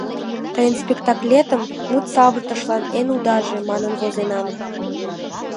Тыйын спектаклетым «мут савыртышлан эн удаже» манын возенам.